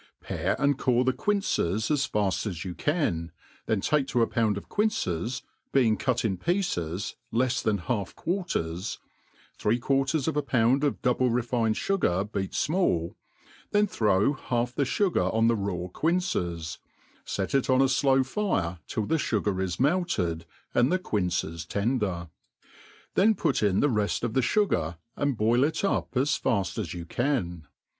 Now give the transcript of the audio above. PARE and core the quinces as fafl as you can, then take to t p'ound'of quinces (being cut in' pieces, lefs tb^n half quar*/ tefs), three quarters of a' pound of double refined Aigar beat imall, then throw half the^ fugar on the raw quinces, fet it on jl flow fi)Ce till tli6 fugar is melted^ and' the quinces tender; then put in the reft 6f the fugar, and boil it up ^s faft as you can.